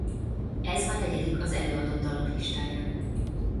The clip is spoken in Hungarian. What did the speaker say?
Ez a negyedik az előadott dalok listáján.